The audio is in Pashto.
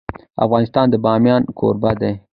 افغانستان د بامیان کوربه دی.